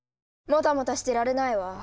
もたもたしてられないわ。